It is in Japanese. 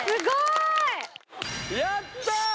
やった！